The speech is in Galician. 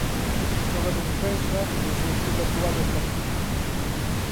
Xoga de defensa e o seu club actual é o Flamengo.